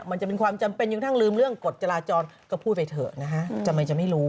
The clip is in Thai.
มันจะเป็นความจำเป็นยังทั้งลืมเรื่องกฎจราจรก็พูดไปเถอะนะฮะทำไมจะไม่รู้